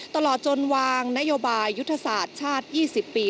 ตลอดจนวางนโยบายยุทธศาสตร์ชาติ๒๐ปี